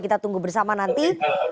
kita tunggu bersama nanti